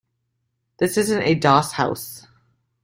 This isn't a doss house.